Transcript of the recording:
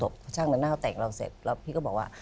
สร้างจากนั้นเขาแต่งเราเสร็จแล้วพี่ก็บอกว่า